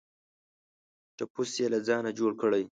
ټپوس یې له ځانه جوړ کړی.